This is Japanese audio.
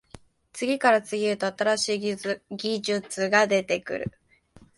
次から次へと新しい技術が出てくる